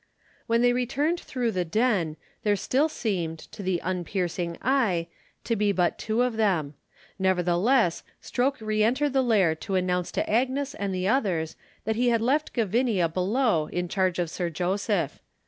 When they returned through the Den, there still seemed (to the unpiercing eye) to be but two of them; nevertheless, Stroke re entered the Lair to announce to Agnes and the others that he had left Gavinia below in charge of Sir Joseph.